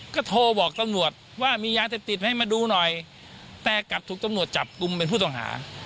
ก็โทรบอกตำรวจว่ามียาเสพติดให้มาดูหน่อยแต่กลับถูกตำรวจจับกลุ่มเป็นผู้ต้องหา